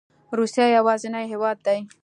روسیه یوازینی هیواد دی